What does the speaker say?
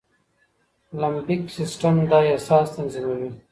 لمبیک سيستم دا احساس تنظيموي.